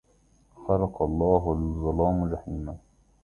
خلق الله للظلام جحيما